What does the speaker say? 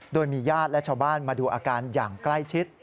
โดยมีญาติและชาวบ้านมาดูอาการอย่างใกล้ชิด